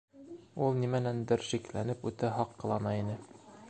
Ул нимәнәндер шикләнеп, үтә һаҡ ҡылана ине.